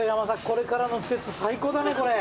これからの季節最高だねこれ。